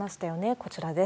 こちらです。